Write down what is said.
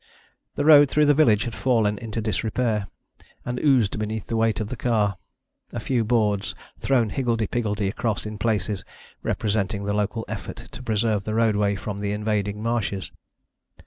The road through the village had fallen into disrepair, and oozed beneath the weight of the car, a few boards thrown higgledy piggledy across in places representing the local effort to preserve the roadway from the invading marshes.